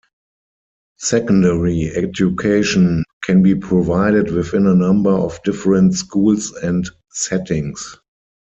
Secondary education can be provided within a number of different schools and settings.